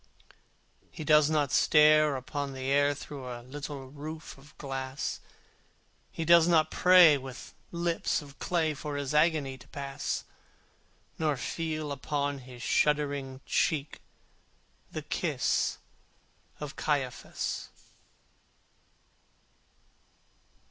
He does not stare upon the air Through a little roof of glass: He does not pray with lips of clay For his agony to pass; Nor feel upon his shuddering cheek The kiss of Caiaphas.